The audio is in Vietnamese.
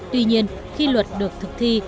tuy nhiên khi luật được thực thi